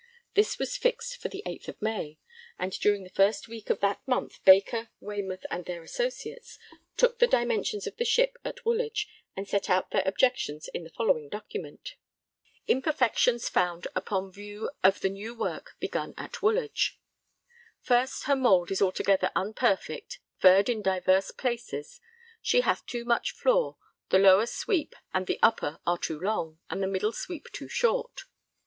This was fixed for the 8th May, and during the first week of that month Baker, Waymouth, and their associates took the dimensions of the ship at Woolwich and set out their objections in the following document: Imperfections found upon view of the new work begun at Woolwich. First her mould is altogether unperfect, furred in divers places; she hath too much floor; the lower sweep and the upper are too long, and the middle sweep too short.